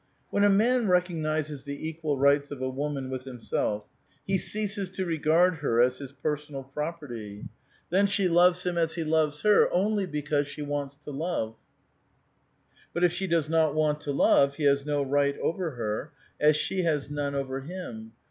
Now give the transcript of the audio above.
" When a man recognizes the equal rights of a woman with himself, he ceases to regard her as his pereonal property. Then she loves him as he loves her, only because she wants to love ; but if she does not want to love, he has no right over her, as she has none over him.